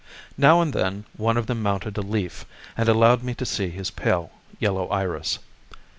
Now and then one of them mounted a leaf, and allowed me to see his pale yellow iris.